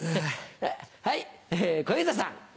はい小遊三さん。